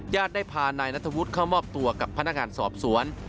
ได้พานายนัทวุฒิเข้ามอบตัวกับพนักงานสอบสวน